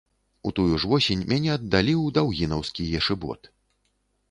У тую ж восень мяне аддалі ў даўгінаўскі ешыбот.